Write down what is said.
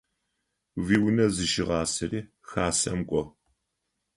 Уиунэ зыщыгъасэри Хасэм кIо.